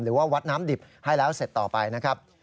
วัดน้ำดิบให้แล้วเสร็จต่อไปนะครับ